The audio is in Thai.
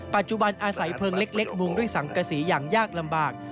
ปัจจุบันอาศัยเพลิงเล็กมุงด้วยสังกษีอย่างยากลำบาก